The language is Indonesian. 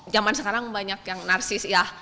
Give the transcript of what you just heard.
zaman sekarang banyak yang narsis ya